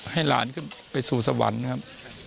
ให้หลานขึ้นไปสู่สวรรค์ครับ